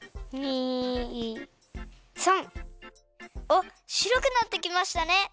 あっしろくなってきましたね！